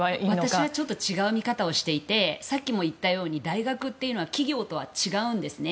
私は違う見方をしていてさっきも言ったように大学というのは企業とは違うんですね。